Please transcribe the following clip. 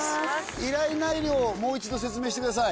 依頼内容をもう一度説明してください。